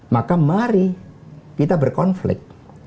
maka mari kita berkonflik